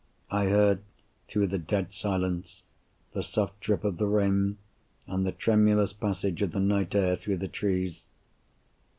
I heard, through the dead silence, the soft drip of the rain and the tremulous passage of the night air through the trees.